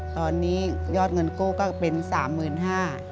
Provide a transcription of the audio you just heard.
ตอนนี้ยอดเงินกู้ก็เป็นสามหมื่นห้า